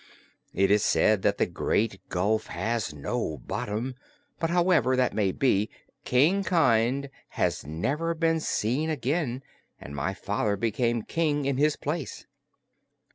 It is said the Great Gulf has no bottom; but, however that may be, King Kynd has never been seen again and my father became King in his place."